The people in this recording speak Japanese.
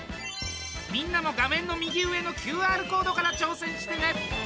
みんなも画面のＱＲコードから挑戦してね！